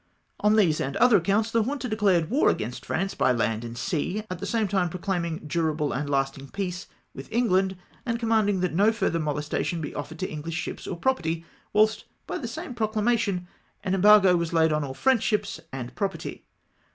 On these and otlier accounts the Junta declared war against France by land and sea, at the same time pro claiming durable and lasting peace with England, and commanding that no further molestation be offered to Enghsh ships or property, whilst, by the same procla mation, an embargo was laid on all French ships and property.